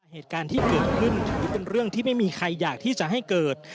เหตุการณ์ที่เกิดขึ้นถือเป็นเรื่องที่ไม่มีใครอยากที่จะให้เกิด